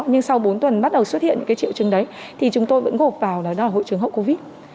nhưng sau bốn tuần bắt đầu xuất hiện những triệu chứng đấy thì chúng tôi vẫn gộp vào là đó là hội chứng hậu covid